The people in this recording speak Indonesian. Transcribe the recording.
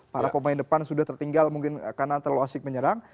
para pemain depan sudah tertinggal mungkin karena terlalu asik menyerang